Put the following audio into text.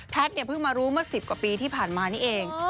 เพิ่งมารู้เมื่อ๑๐กว่าปีที่ผ่านมานี่เอง